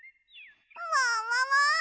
ももも！